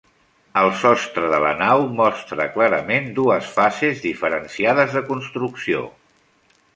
El sostre de la nau mostra clarament dues fases diferenciades de construcció.